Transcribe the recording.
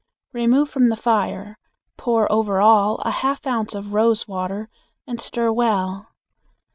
Remove from the fire, pour over all a half ounce of rose water and stir well.